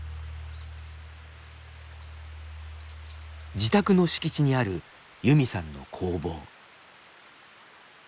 自宅の敷地にあるユミさんの工房。